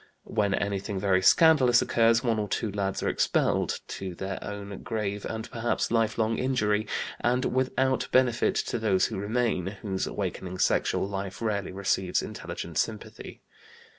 When anything very scandalous occurs one or two lads are expelled, to their own grave and, perhaps, lifelong injury, and without benefit to those who remain, whose awakening sexual life rarely receives intelligent sympathy.